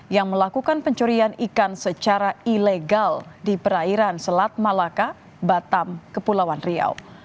yang melakukan pencurian ikan secara ilegal di perairan selat malaka batam kepulauan riau